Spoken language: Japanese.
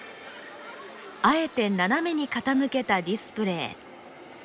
あえて斜めに傾けたディスプレー。